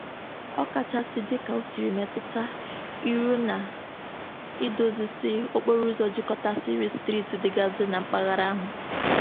ọkachasị dịka o siri metụta ịrụ na idozisi okporoụzọ jikọtasịrị steeti dịgasị na mpaghara ahụ.